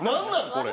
これ。